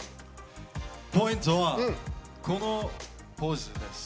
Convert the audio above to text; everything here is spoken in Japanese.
ポイントはこのポーズです。